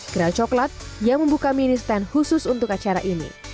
gerai coklat yang membuka mini stand khusus untuk acara ini